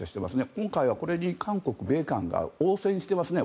今回はこれに韓国、米韓が応戦していますね。